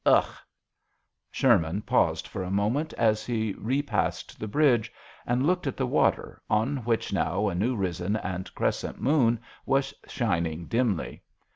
Ugh !" Sherman paused for a moment as he repassed the bridge and looked at the water, on which now a new risen and crescent moon was shining dimly.